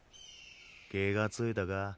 気が付いたか？